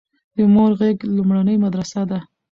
د مور غيږ لومړنۍ مدرسه ده